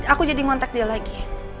aku jadi ngontak dia lagi